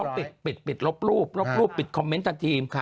ปิดปิดลบรูปลบรูปปิดคอมเมนต์ทันที